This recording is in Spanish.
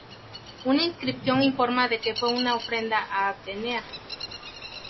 Una inscripción informa de que fue una ofrenda a Atenea.